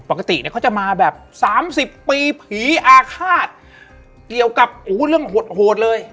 ปกติเค้าจะมาแบบ๓๐ปีผีอาร์ฆาตเดียวกับเรื่องโหดเลย